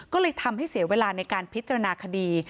ก็เลยทำให้เสียเวลาในการพิจารณาคดี